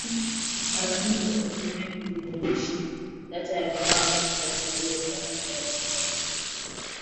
mara nyingi kwa kutegemea kujumlisha data ya vifaa vya kufuatilia